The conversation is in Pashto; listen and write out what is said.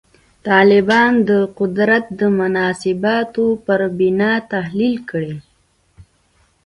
طالبان د قدرت د مناسباتو پر بنا تحلیل کړي.